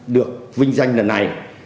được vinh danh lần này